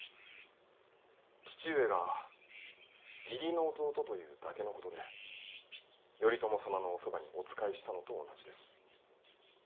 父上が義理の弟というだけのことで頼朝様のおそばにお仕えしたのと同じです。